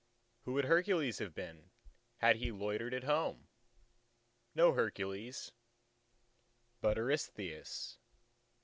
..." Who would Hercules have been had he loitered at home? no Hercules, but Eurystheus.